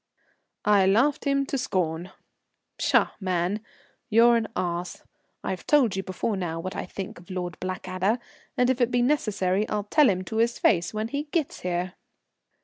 I laughed him to scorn. "Psha, man, you're an ass. I've told you before now what I think of Lord Blackadder, and if it be necessary I'll tell him to his face when he gets here."